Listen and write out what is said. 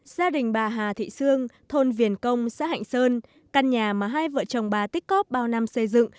gia đình bà hà thị sương thôn viền công xã hạnh sơn căn nhà mà hai vợ chồng bà tích cóp bao năm xây dựng